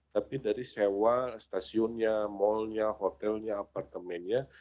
tapi dari sewa stasiunnya malnya hotelnya apartemennya